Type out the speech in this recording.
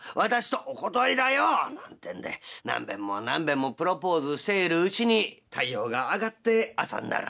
なんてんで何べんも何べんもプロポーズしているうちに太陽が上がって朝になる。